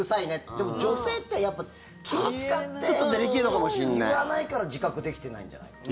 でも、女性ってやっぱり気を使って言わないから自覚できてないんじゃないかって。